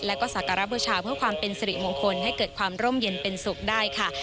และก็สักการะบูชาเพื่อความเป็นสิริมงคลให้เกิดความร่มเย็นเป็นสุขได้ค่ะ